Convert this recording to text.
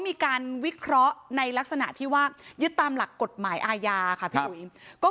มีการวิเคราะห์ในลักษณะที่ว่ายึดตามหลักกฎหมายอาญาค่ะพี่อุ๋ย